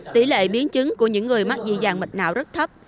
tỷ lệ biến chứng của những người mắc dị dàng mạch não rất thấp